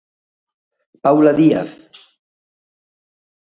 Paula Díaz.